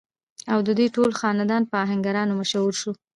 او ددوي ټول خاندان پۀ اهنګرانو مشهور شو ۔